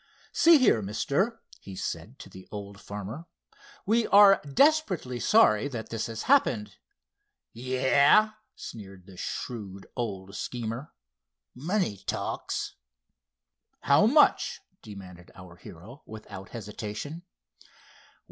"See here, mister," he said to the old farmer; "we are desperately sorry that this has happened." "Yah!" sneered the shrewd old schemer—"money talks." "How much?" demanded our hero, without hesitation.